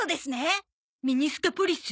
ミニスカポリス？